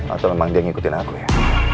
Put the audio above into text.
atau memang dia ngikutin aku ya